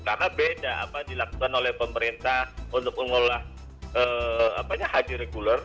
karena beda apa dilakukan oleh pemerintah untuk mengelola haji reguler